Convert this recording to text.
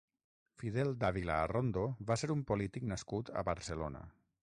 Fidel Dávila Arrondo va ser un polític nascut a Barcelona.